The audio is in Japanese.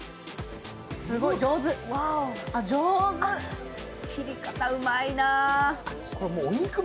すごい上手、上手、切り方うまいなぁ。